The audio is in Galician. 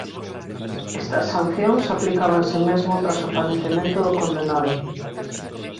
Estas sancións aplicábanse mesmo tras o falecemento do condenado.